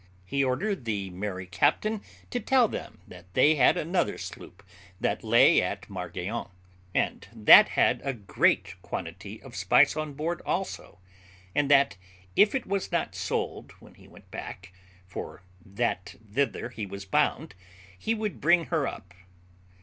He ordered the merry captain to tell them that they had another sloop that lay at Margaon, and that had a great quantity of spice on board also; and that, if it was not sold when he went back (for that thither he was bound), he would bring her up.